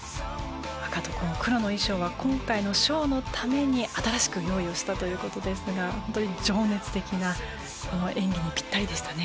赤とこの黒の衣装は今回のショーのために新しく用意をしたという事ですが本当に情熱的なこの演技にピッタリでしたね。